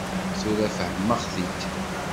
Tura fehmeɣ-t-id.